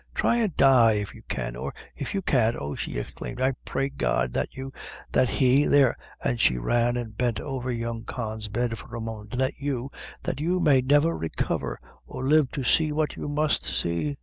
Try an' die, if you can or if you can't oh," she exclaimed, "I pray God that you that he, there " and she ran and bent over young Con's bed for a moment; "that you that you may never recover, or live to see what you must see."